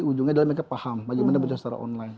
ujungnya adalah mereka paham bagaimana berdasarkan online